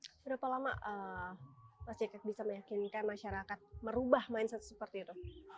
berapa lama mas jacket bisa meyakinkan masyarakat merubah mindset seperti itu